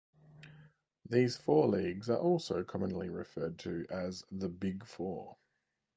These four leagues are also commonly referred to as the "Big Four".